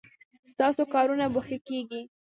ستاسو کارونه به ښه کیږي